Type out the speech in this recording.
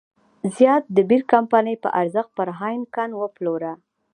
زیات د بیر کمپنۍ په ارزښت پر هاینکن وپلوره.